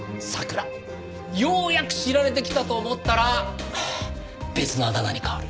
ようやく知られてきたと思ったら別のあだ名に変わる。